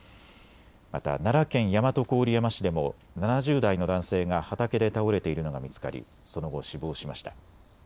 また奈良県大和郡山市でも７０代の男性が畑で倒れているのが見つかりその後、死亡しました。